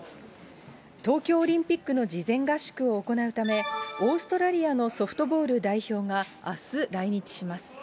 東京オリンピックの事前合宿を行うため、オーストラリアのソフトボール代表が、あす来日します。